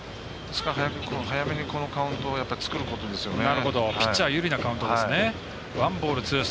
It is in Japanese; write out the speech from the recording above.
早めにカウントを作ることですよね。